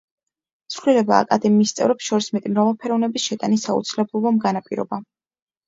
ცვლილება აკადემიის წევრებს შორის მეტი მრავალფეროვნების შეტანის აუცილებლობამ განაპირობა.